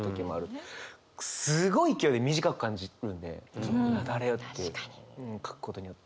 すごい勢いで短く感じるんで雪崩って書くことによって。